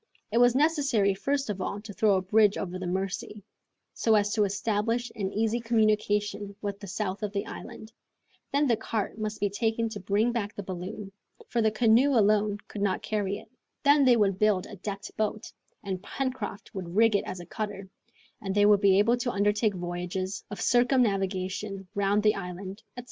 It was necessary first of all to throw a bridge over the Mercy, so as to establish an easy communication with the south of the island; then the cart must be taken to bring back the balloon, for the canoe alone could not carry it, then they would build a decked boat, and Pencroft would rig it as a cutter, and they would be able to undertake voyages of circumnavigation round the island, etc.